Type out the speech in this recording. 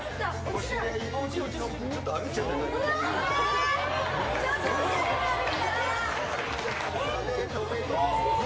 ちょっと歩いちゃったり。